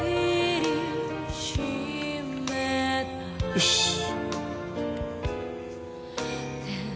よしっ！